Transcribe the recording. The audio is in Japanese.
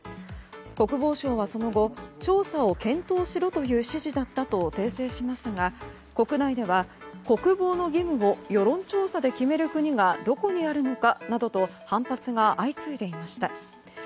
国防省はその後、調査を検討するという指示だったと訂正しましたが国内では国防の義務を世論調査で決める国がどこにあるのかなどと反発が相次いでいました。